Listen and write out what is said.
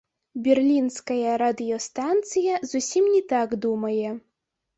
Берлінская радыёстанцыя зусім не так думае.